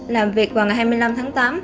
làm việc vào ngày hai mươi năm tháng tám